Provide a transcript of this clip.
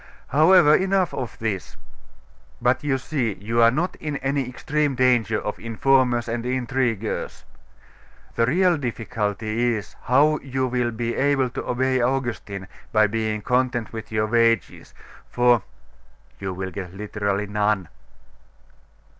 However, enough of this. But you see, you are not in any extreme danger of informers and intriguers.... The real difficulty is, how you will be able to obey Augustine, by being content with your wages. For,' lowering his voice, 'you will get literally none.